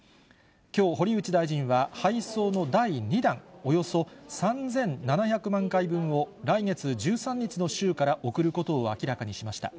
きょう、堀内大臣は、配送の第２弾、およそ３７００万回分を、来月１３日の週から送ることを明らかにしました。